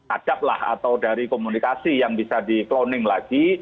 acaplah atau dari komunikasi yang bisa di cloning lagi